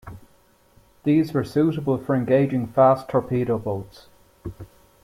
These were suitable for engaging fast torpedo boats.